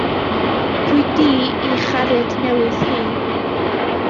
Pwy 'di 'i chariad newydd hi?